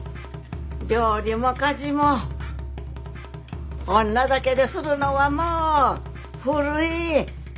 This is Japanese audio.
料理も家事も女だけでするのはもう古い。